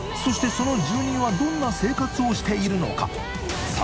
その住人はどんな生活をしているのか磴修海悩